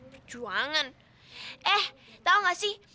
perjuangan eh tau gak sih